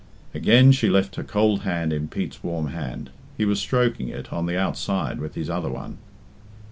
Again she left her cold hand in Pete's warm hand. He was stroking it on the outside with his other one.